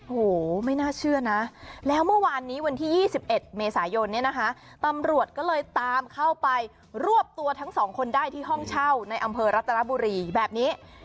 โหไม่น่าเชื่อนะแล้วเมื่อวานนี้วันที่๒๑เมษายนเนี่ยนะคะตำรวจก็เลยตามเข้าไปรวบตัวทั้งสองคนได้ที่ห้องเช่าในอำเภอรัตนบุรีแบบนี้